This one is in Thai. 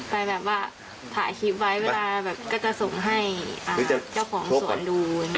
ไปแบบว่าถ่ายคลิปไว้เวลาแบบก็จะส่งให้เจ้าของสวนดู